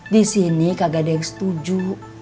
disini kagak ada yang setuju